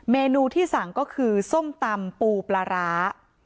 เมนูที่สั่งก็คือส้มตำปูปลาร้า